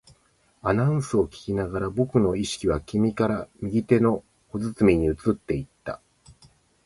アナウンスを聞きながら、僕の意識は君から右手の小包に移っていった